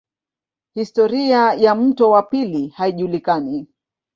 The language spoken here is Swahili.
Historia ya mto wa pili haijulikani.